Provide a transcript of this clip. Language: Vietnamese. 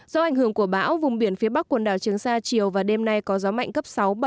do ảnh hưởng của bão vùng biển phía bắc quần đảo trường sa chiều và đêm nay có gió mạnh cấp sáu bảy